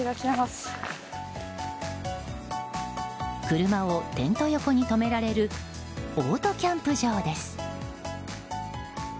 車をテント横に止められるオートキャンプ場です。